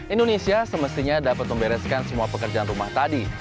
indonesia semestinya dapat membereskan semua pekerjaan rumah tadi